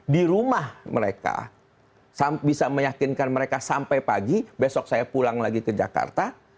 di rumah mereka bisa meyakinkan mereka sampai pagi besok saya pulang lagi ke jakarta